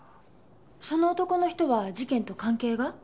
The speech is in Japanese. その男の人は事件と関係が？